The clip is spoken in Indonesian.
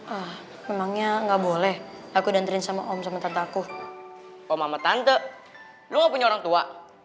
ah emangnya nggak boleh aku dan terin sama om sama tantaku om ama tante lu punya orang tua